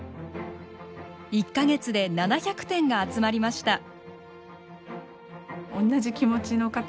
１か月で７００点が集まりました。